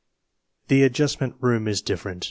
The Adjustment Room is different.